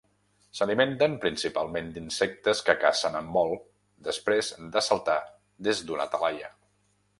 S'alimenten principalment d'insectes que cacen en vol, després de saltar des d'una talaia.